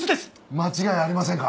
間違いありませんか？